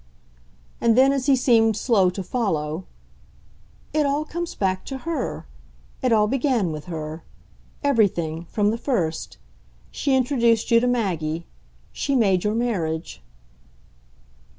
And then as he seemed slow to follow: "It all comes back to her. It all began with her. Everything, from the first. She introduced you to Maggie. She made your marriage."